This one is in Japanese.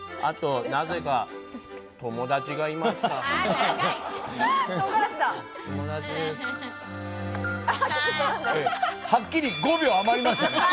あと、なぜか友達がいました。